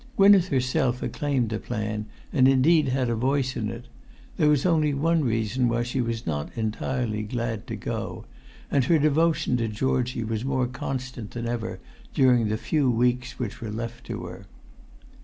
Gwynneth herself acclaimed the plan, and indeed had a voice in it; there was only one reason why she was not entirely glad to go; and her devotion to Georgie was more constant than ever during the few weeks which were left to her.